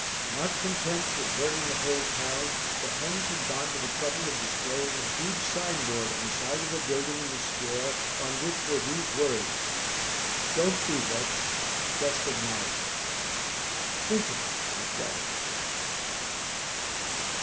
Not content with burning the whole town, the Huns had gone to the trouble of displaying a huge signboard on the side of a building in the square on which were these words: "Don't be vexed just admire!" Think of it! The devils!